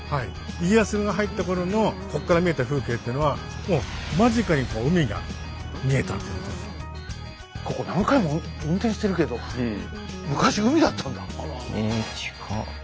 家康が入った頃のこっから見えた風景ってのはもうここ何回も運転してるけどえ近っ！